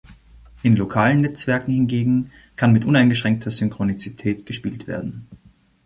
In lokalen Netzwerken hingegen kann mit uneingeschränkter Synchronizität gespielt werden.